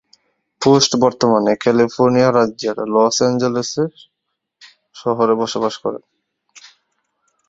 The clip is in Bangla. পোস্ট বর্তমানে, ক্যালিফোর্নিয়া রাজ্যের লস অ্যাঞ্জেলেস শহরে বসবাস করেন।